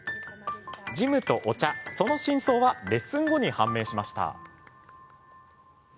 ジムとお茶、その真相はレッスン後に判明しました。